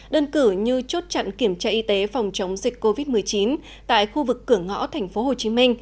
đơn cử như chốt chặn kiểm tra y tế phòng chống dịch covid một mươi chín tại khu vực cửa ngõ tp hcm